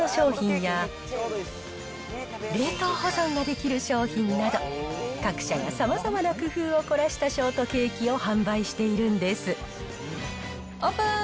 最近では、スプーンで食べるカップ型の商品や、冷凍保存ができる商品など、各社がさまざまな工夫を凝らしたショートケーキを販売しているんオープン！